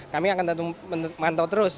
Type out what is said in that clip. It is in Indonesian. kami akan memantau terus